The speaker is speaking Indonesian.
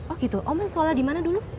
oh gitu oma sholat dimana dulu